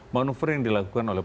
manuver yang dilakukan oleh